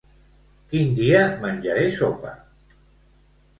Quin dia menjaré sopa?